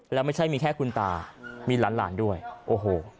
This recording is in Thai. แล้วไม่ใช่มีแค่คุณตามีหลานหลานด้วยโอ้โห